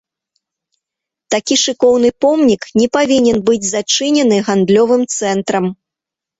Такі шыкоўны помнік не павінен быць зачынены гандлёвым цэнтрам.